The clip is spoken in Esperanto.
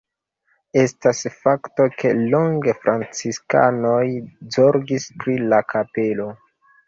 Estas fakto, ke longe franciskanoj zorgis pri la kapelo.